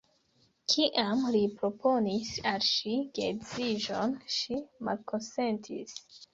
Kiam li proponis al ŝi geedziĝon, ŝi malkonsentis.